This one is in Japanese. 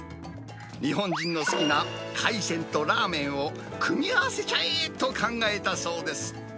日本人の好きな海鮮とラーメンを、組み合わせちゃえと考えたそうです。